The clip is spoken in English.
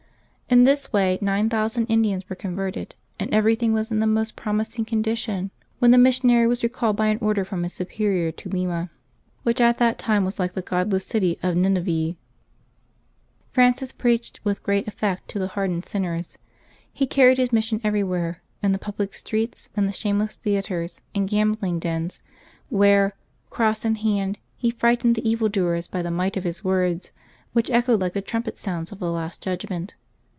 In this way nine thousand Indians were converted, and everything was in the most promising condition when the missionary was recalled by an order from his Superior to Lima, which at that time was like the godless city of Xinive. Francis preached with great effect to the hard ened sinners. He carried his mission everywhere — in the public streets, into the shameless theatres and gambling dens, where, cross in hand, he frightened the evil doers by the might of his words, which echoed like the trumpet sounds of the last judgment.